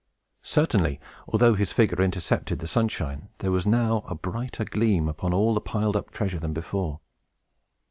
Certainly, although his figure intercepted the sunshine, there was now a brighter gleam upon all the piled up treasures than before.